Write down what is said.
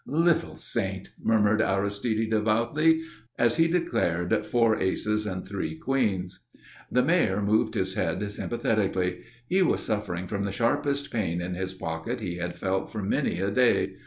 "Little Saint!" murmured Aristide devoutly, as he declared four aces and three queens. The Mayor moved his head sympathetically. He was suffering from the sharpest pain in his pocket he had felt for many a day.